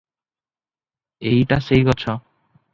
ଏଇଟା ସେଇ ଗଛ ।